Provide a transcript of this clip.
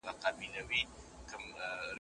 ژوند خو په «هو» کې دی شېرينې ژوند په «يا» کې نشته